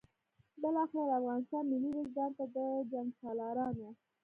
بالاخره د افغانستان ملي وجدان ته د جنګسالارانو.